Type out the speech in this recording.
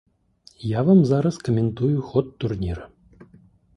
Я вам зараз каментую ход турніра.